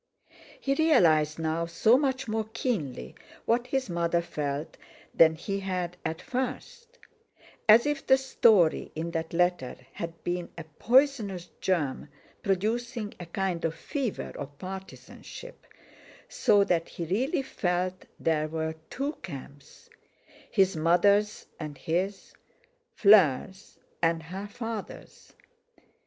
He realised now so much more keenly what his mother felt than he had at first; as if the story in that letter had been a poisonous germ producing a kind of fever of partisanship, so that he really felt there were two camps, his mother's and his—Fleur's and her father's.